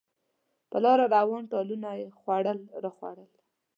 په لاره روان، ټالونه یې خوړل راخوړل.